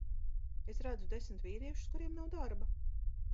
Es redzu desmit vīriešus, kuriem nav darba.